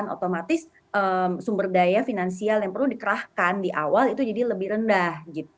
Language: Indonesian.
otomatis sumber daya finansial yang perlu dikerahkan di awal itu jadi lebih rendah